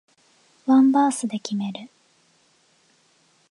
ワンバースで決める